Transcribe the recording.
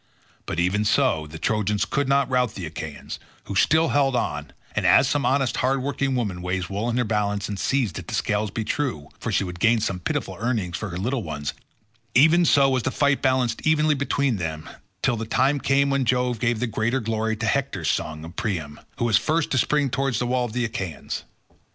But even so the Trojans could not rout the Achaeans, who still held on; and as some honest hard working woman weighs wool in her balance and sees that the scales be true, for she would gain some pitiful earnings for her little ones, even so was the fight balanced evenly between them till the time came when Jove gave the greater glory to Hector son of Priam, who was first to spring towards the wall of the Achaeans.